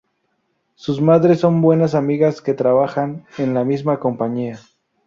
Sus madres son buenas amigas que trabajan en la misma compañía.